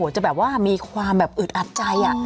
จะแบบว่ามีความแบบอึดอัดใจ